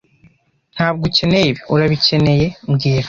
Ntabwo ukeneye ibi, urabikeneye mbwira